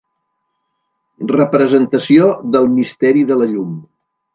Representació del "Misteri de la Llum".